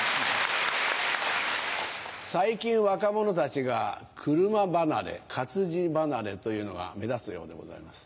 最近若者たちが車離れ活字離れというのが目立つようでございます。